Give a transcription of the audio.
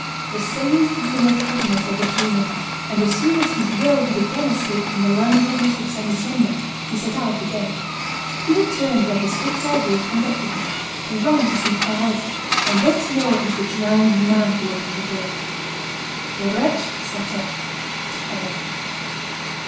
The same feeling of heaviness overcame him, and as soon as his will had again escaped in the languidness of semi slumber, he set out again. He returned where his fixed idea conducted him; he ran to see Thérèse, and once more it was the drowned man who opened the door. The wretch sat up terrified.